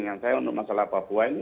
dengan saya untuk masalah papua ini